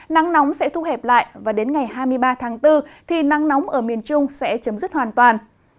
nắng nóng sẽ thu hẹp lại và đến ngày hai mươi ba tháng bốn thì nắng nóng ở miền trung sẽ chấm dứt hoàn toàn